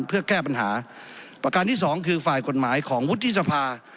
เพื่อแก้ปัญหาประการที่สองคือฝ่ายกฎหมายของวุฒิสภา